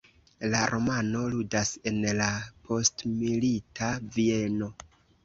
La romano ludas en la postmilita Vieno.